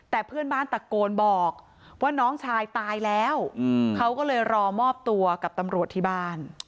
แต่เพื่อนบ้านตะโกนบอกว่าน้องชายตายแล้วเขาก็เลยรอมอบตัวกับตำรวจที่บ้าน